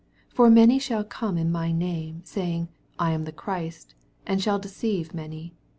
5 For many shall come in my name, saying, I am Christ ; and shall deceive many.